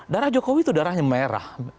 darah jokowi itu darahnya merah